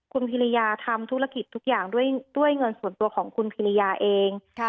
คุณพิริยาทำธุรกิจทุกอย่างด้วยเงินส่วนตัวของคุณพิริยาเอง